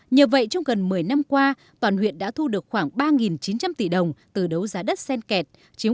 nhờ vậy trong gần một mươi năm qua toàn huyện đã thu được khoảng ba chín trăm linh tỷ đồng từ đấu giá đất sen kẹt